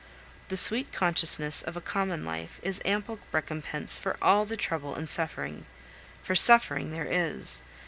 The sweet consciousness of a common life is ample recompense for all the trouble and suffering for suffering there is.